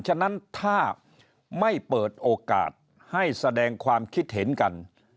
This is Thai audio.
ฉะนั้นถ้าไม่เปิดโอกาสให้แสดงความคิดเห็นกัน